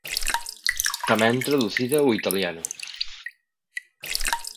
Tamén traducida ao italiano.